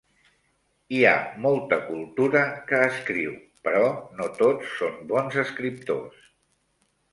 Hi ha molta cultura que escriu, però no tots són bons escriptors.